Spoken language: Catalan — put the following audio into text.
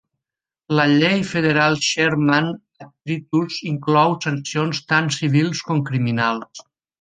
La Llei federal Sherman Antitrust inclou sancions tant civils com criminals.